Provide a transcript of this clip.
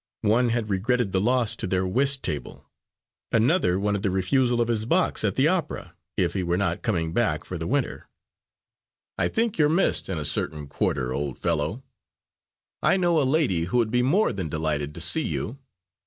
One had regretted the loss to their whist table. Another wanted the refusal of his box at the opera, if he were not coming back for the winter. "I think you're missed in a certain quarter, old fellow. I know a lady who would be more than delighted to see you.